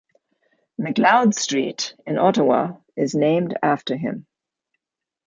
McLeod Street in Ottawa is named after him.